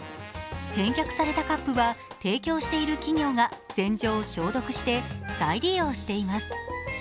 返却されたカップは提供している企業が洗浄・消毒して再利用しています。